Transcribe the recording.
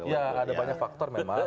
ya ada banyak faktor memang